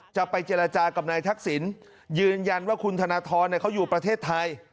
จะไปเจรจากับนายทักษิณยืนยันว่าคุณธนทรเขาอยู่ประเทศไทย